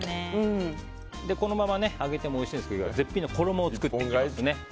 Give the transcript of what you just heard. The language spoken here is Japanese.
このまま揚げてもおいしいんですけど絶品の衣を作っていきます。